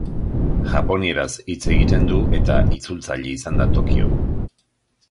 Japonieraz hitz egiten du eta itzultzaile izan da Tokion.